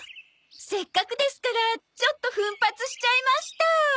せっかくですからちょっと奮発しちゃいました！